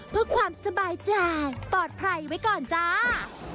เพื่อความสบายใจปลอดภัยไว้ก่อนจ้า